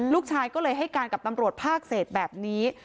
ลูกชายก็เลยให้การกับตำรวจภาคเศษแบบนี้